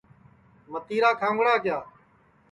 متِیرا کھاؤنگڑا کِیا